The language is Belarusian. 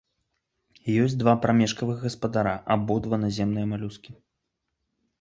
Ёсць два прамежкавых гаспадара, абодва наземныя малюскі.